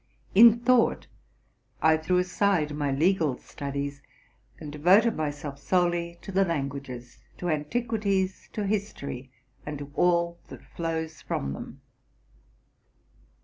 In thought I threw aside my legal studies, and devoted myself solely to the languages, to antiq uities, to history, and to all that flows from them.